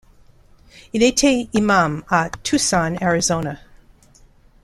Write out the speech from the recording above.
Il était imam à Tucson, Arizona.